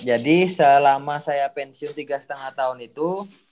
jadi selama saya pensiun tiga lima tahun itu